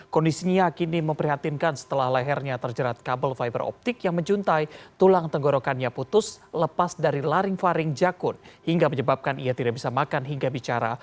kondisinya kini memprihatinkan setelah lehernya terjerat kabel fiber optik yang menjuntai tulang tenggorokannya putus lepas dari laring faring jakun hingga menyebabkan ia tidak bisa makan hingga bicara